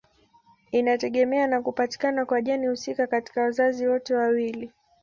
Inategemea na kupatikana kwa jeni husika katika wazazi wote wawili.